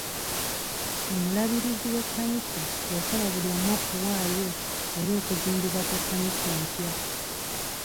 Omulabirizi w'ekkanisa yasaba buli omu okuwaayo eri okuzimbibwa kw'ekkanisa empya.